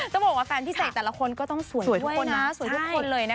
ต้องบอกว่าแฟนพี่เสกแต่ละคนก็ต้องสวยทุกคนนะ